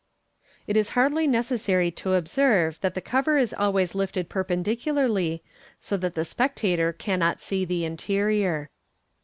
It is hardly nece>sary to observe that the cover is always lifted perpendicularly, so that the spectator cannot see the interior.